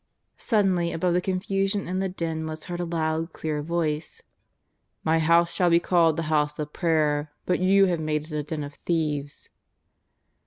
Suddenly, above the confusion and the din, was heard a loud, clear Voice: " My House shall be called the House of prayer, but you have made it a den of thieves."